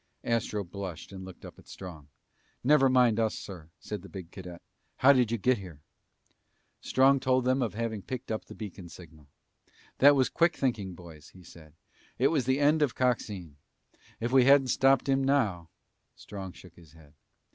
Astro blushed and looked up at Strong. "Never mind us, sir," said the big cadet. "How did you get here!" Strong told them of having picked up the beacon signal. "That was quick thinking, boys," he said. "It was the end of Coxine. If we hadn't stopped him now " Strong shook his head.